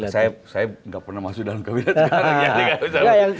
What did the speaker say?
saya tidak pernah masuk ke kabinet sekarang